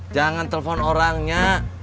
jangan telfon orangnya